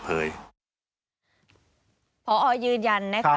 พอรญืญี่ยันเน้ครับ